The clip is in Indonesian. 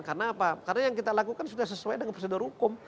karena apa karena yang kita lakukan sudah sesuai dengan prosedur hukum